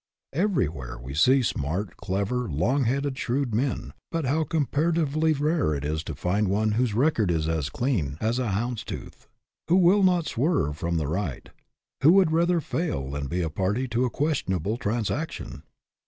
Everywhere we see smart, clever, long headed, shrewd men, but how comparatively rare it is to find one whose record is as clean STAND FOR SOMETHING 133 as a hound's tooth ; who will not swerve from the right; who would rather fail than be^a party to a questionable transaction